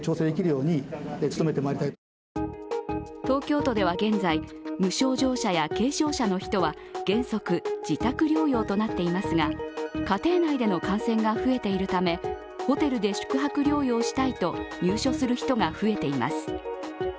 東京都では現在、無症状者や軽症者の人は原則、自宅療養となっていますが、家庭内での感染が増えているため、ホテルで宿泊療養したいと入所する人が増えています。